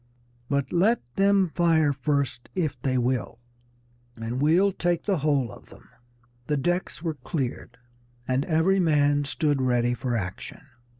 But let them fire first if they will, and we'll take the whole of them!" The decks were cleared, and every man stood ready for action.